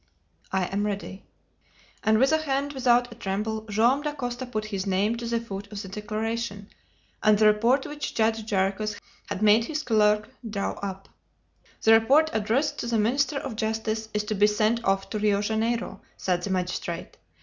"I am ready." And with a hand without a tremble Joam Dacosta put his name to the foot of the declaration and the report which Judge Jarriquez had made his clerk draw up. "The report, addressed to the minister of justice, is to be sent off to Rio Janeiro," said the magistrate.